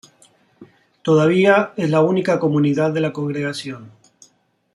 Todavía es la única comunidad de la congregación.